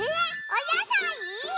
おやさい？